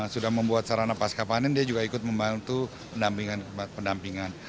sudah membuat sarana pasca panen dia juga ikut membantu pendampingan